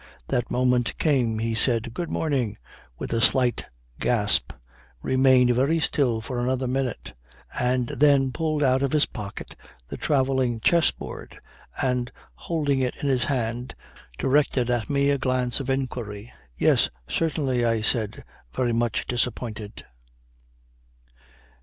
That moment came. He said "Good morning" with a slight gasp, remained very still for another minute and then pulled out of his pocket the travelling chessboard, and holding it in his hand, directed at me a glance of inquiry. "Yes. Certainly," I said, very much disappointed.